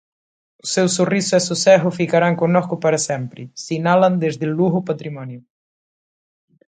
"O seu sorriso e sosego ficarán connosco para sempre", sinalan desde Lugo Patrimonio.